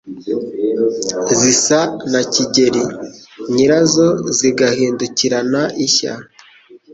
Zisa na Kigeli nyirazo; Zigahindukirana ishya,